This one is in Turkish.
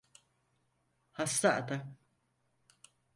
Hasta adam.